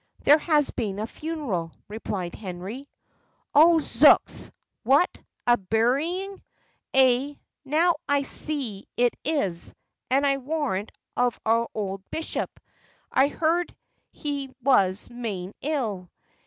"There has been a funeral," replied Henry. "Oh, zooks! what! a burying! ay, now I see it is; and I warrant of our old bishop I heard he was main ill.